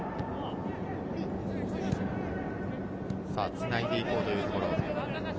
つないでいこうというところ。